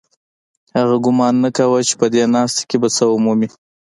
هغوی ګومان نه کاوه چې په دې ناسته کې به څه ومومي